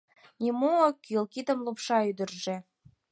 — Нимо ок кӱл... — кидым лупша ӱдыржӧ.